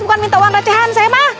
bukan minta uang pecahan saya mah